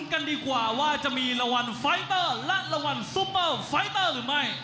ข้อมอบกามด้วยไฟเตอร์ไพล้